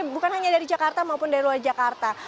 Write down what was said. bukan hanya dari jakarta maupun dari luar jakarta